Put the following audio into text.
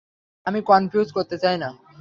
আমি কনফিউজ করতে চাই না।